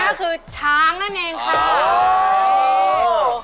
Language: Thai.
ก็คือช้างนั่นเองค่ะ